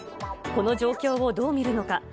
この状況をどう見るのか。